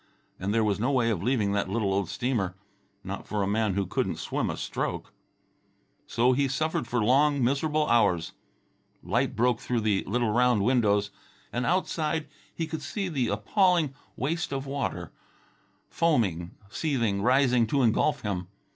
And there was no way of leaving that little old steamer ... not for a man who couldn't swim a stroke. So he suffered for long miserable hours. Light broke through the little round windows, and outside he could see the appalling waste of water, foaming, seething, rising to engulf him.